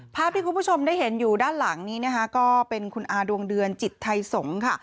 ภาพที่คุณผู้ชมได้เห็นอยู่ด้านหลังนี้นะคะก็เป็นคุณอาดวงเดือนจิตไทยสงฆ์ค่ะ